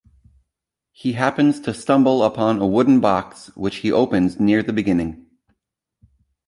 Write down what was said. He happens to stumble upon a wooden box, which he opens near the beginning.